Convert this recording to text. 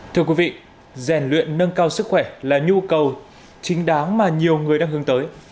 thưa quý vị rèn luyện nâng cao sức khỏe là nhu cầu chính đáng mà nhiều người đang hướng tới